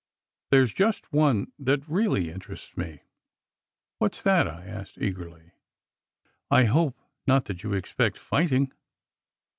There s just one that really interests me." " What s that? " I asked eagerly. " I hope not that you expect fighting?"